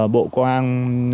bộ công an